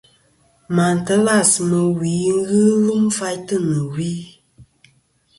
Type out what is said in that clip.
Màtlas mɨ̀ wì ghɨ lum faytɨ nɨ̀ wi.